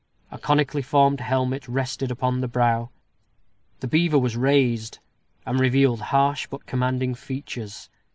A conically formed helmet rested upon the brow; the beaver was raised, and revealed harsh but commanding features.